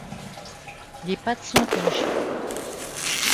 Les pattes sont rouges.